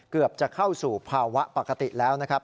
เกือบจะเข้าสู่ภาวะปกติแล้วนะครับ